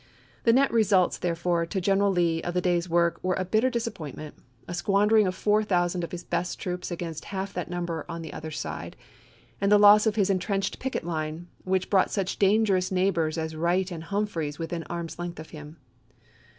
The net results therefore to General Lee of the day's work were a bitter disappointment, a squandering of four thou sand of his best troops against half that number on the other side, and the loss of his intrenched picket line, which brought such dangerous neigh bors as Wright and Humphreys within arm's length of him.